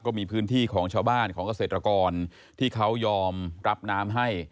ก็มีพื้นที่ของชาวบ้านของเกษตรกรที่เขายอมรับน้ำให้